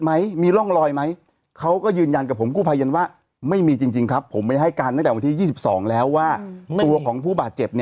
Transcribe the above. ไม่มีร่องรอยล่ะนะฮะมีร่องรอยมึงนะครับ